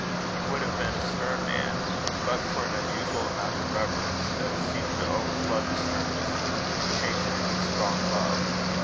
He would have been a stern man, but for an unusual amount of reverence that seemed to overflood the sternness, and change it into strong love.